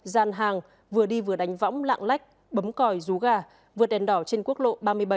gian hàng vừa đi vừa đánh võng lạng lách bấm còi rú gà vượt đèn đỏ trên quốc lộ ba mươi bảy